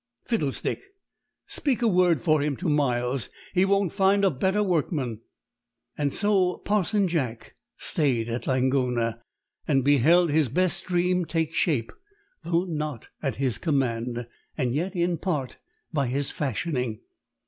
"Fiddlestick! Speak a word for him to Miles; he won't find a better workman." So Parson Jack stayed at Langona, and beheld his best dream take shape, though not at his command, and yet in part by his fashioning.